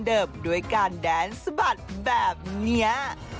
ด้วยการแดนส์สะบัดแบบเนี๊ยะ